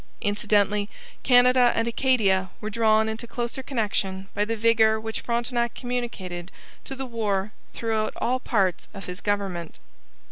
Incidentally Canada and Acadia were drawn into closer connection by the vigour which Frontenac communicated to the war throughout all parts of his government.